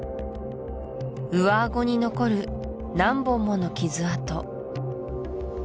上あごに残る何本もの傷跡